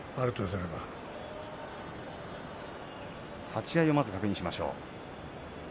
立ち合いを確認しましょう。